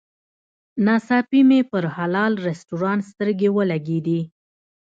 ناڅاپي مې پر حلال رسټورانټ سترګې ولګېدې.